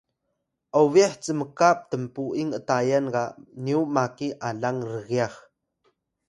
obeh cmka tnpu’ing atayan ga nyu maki alang rgyax